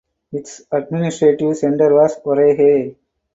Its administrative centre was Orhei.